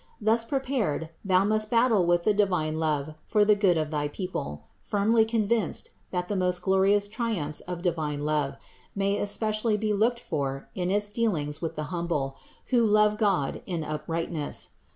Thus prepared, thou must battle with the divine love for the good of thy people, firmly con vinced, that the most glorious triumphs of divine love may especially be looked for in its dealings with the humble, who love God in uprightness.